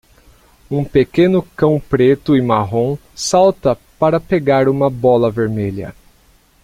Um pequeno cão preto e marrom salta para pegar uma bola vermelha.